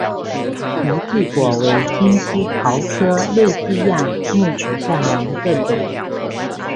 犁地果为金丝桃科瑞地亚木属下的一个种。